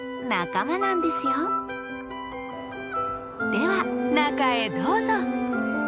では中へどうぞ。